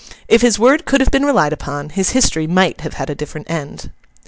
If his word could have been relied upon, his history might have had a different end.